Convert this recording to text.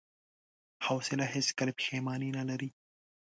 حوصله هیڅکله پښېماني نه لري.